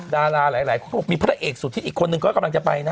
ดาราหลายมีพระเอกสุดทิศอีกคนนึงก็กำลังจะไปนะ